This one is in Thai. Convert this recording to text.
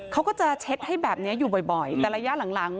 เขาก็จะเช็ดให้แบบนี้อยู่บ่อยแต่ระยะหลัง